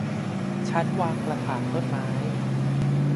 ชั้นวางกระถางต้นไม้